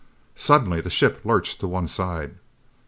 Suddenly the ship lurched to one side.